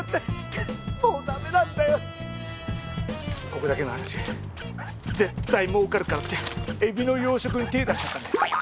ここだけの話絶対儲かるからって海老の養殖に手出しちゃったんだよ。